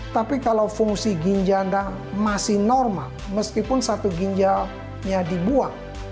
tapi kalau fungsi ginja anda masih normal meskipun satu ginjalnya dibuang